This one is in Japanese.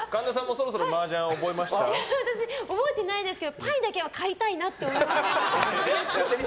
そろそろ覚えてないですけど牌だけは買いたいなって思いました。